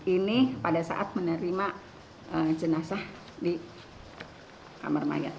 ini pada saat menerima jenazah di kamar mayat